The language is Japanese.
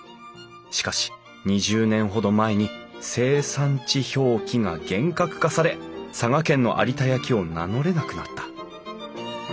しかし２０年ほど前に生産地表記が厳格化され佐賀県の有田焼を名乗れなくなった。